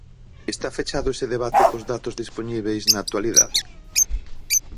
Está fechado ese debate cos datos dispoñíbeis na actualidade?